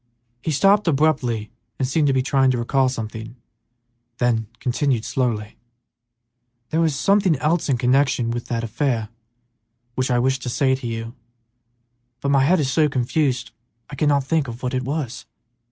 He stopped abruptly and seemed to be trying to recall something, then continued, slowly, "There was something else in connection with that affair which I wished to say to you, but my head is so confused I cannot think what it was."